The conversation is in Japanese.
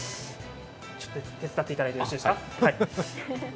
ちょっと手伝っていただいてよろしいですか。